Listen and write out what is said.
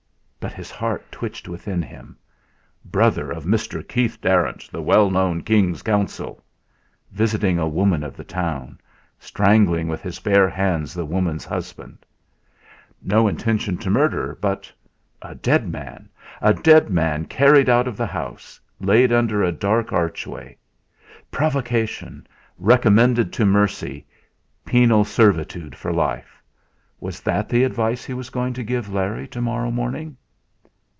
But his heart twitched within him. "Brother of Mr. Keith Darrant, the well known King's Counsel" visiting a woman of the town, strangling with his bare hands the woman's husband! No intention to murder, but a dead man! A dead man carried out of the house, laid under a dark archway! Provocation! Recommended to mercy penal servitude for life! Was that the advice he was going to give Larry to morrow morning?